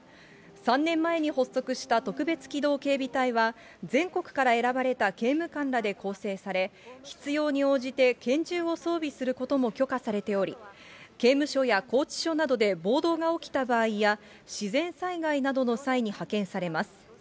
３年前に発足した特別機動警備隊は、全国から選ばれた刑務官らで構成され、必要に応じて拳銃を装備することも許可されており、刑務所や拘置所などで暴動が起きた場合や、自然災害などの際に派遣されます。